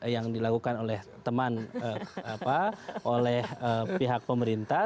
yang dilakukan oleh teman oleh pihak pemerintah